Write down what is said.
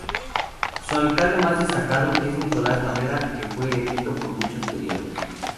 Su alcalde más destacado es Nicolas Barrera, que fue electo por muchos períodos.